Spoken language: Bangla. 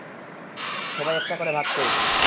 সবাই একটা করে ভাগ পেয়েছে।